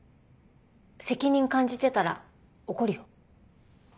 責任感じてたら怒るよ。